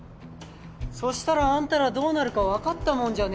そしたらあんたらどうなるか分かったもんじゃねえよな。